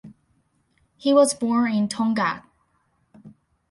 He was born in Tongaat.